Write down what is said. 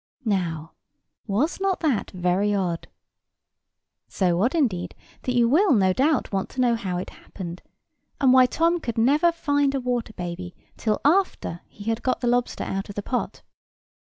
Now, was not that very odd? So odd, indeed, that you will, no doubt, want to know how it happened, and why Tom could never find a water baby till after he had got the lobster out of the pot.